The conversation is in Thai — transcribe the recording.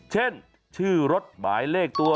เช่นชื่อรถหมายเลขตัว